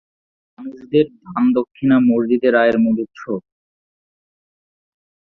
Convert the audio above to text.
মানুষদের দান-দক্ষিণা মসজিদের আয়ের মূল উৎস।